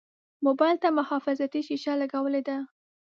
موبایل ته محافظتي شیشه لګولې ده.